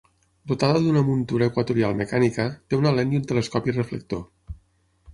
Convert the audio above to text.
Dotada d'una muntura equatorial mecànica, té una lent i un telescopi reflector.